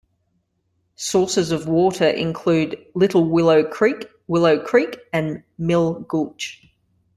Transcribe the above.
Sources of water include Little Willow Creek, Willow Creek and Mill Gulch.